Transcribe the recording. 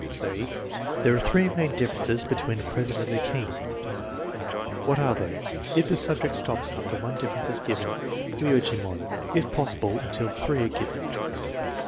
Say: " There are three main differences be tween a president and a Jang; what are they? " If the subject stops after one difference is given, we urge him on, if possi ble, until three are given.